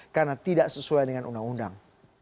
karena tidak sesuai dengan undang undang